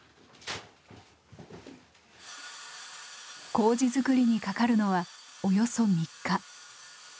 麹づくりにかかるのはおよそ３日。